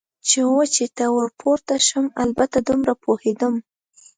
چې وچې ته ور پورته شم، البته دومره پوهېدم.